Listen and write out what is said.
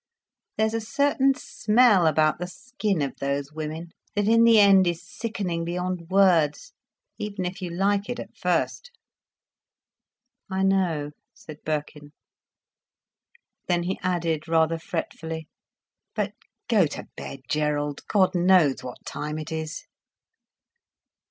There's a certain smell about the skin of those women, that in the end is sickening beyond words—even if you like it at first." "I know," said Birkin. Then he added, rather fretfully, "But go to bed, Gerald. God knows what time it is."